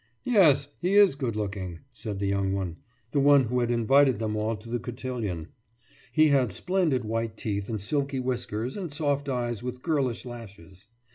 »Yes he's good looking,« said the young one, the one who had invited them all to the cotillion. He had splendid white teeth and silky whiskers and soft eyes with girlish lashes.